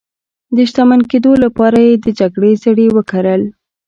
د شتمن کېدو لپاره یې د جګړې زړي وکرل.